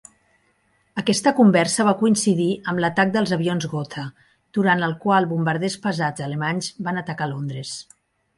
Aquesta conversa va coincidir amb l'atac dels avions Gotha, durant el qual bombarders pesats alemanys van atacar Londres.